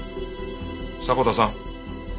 迫田さん。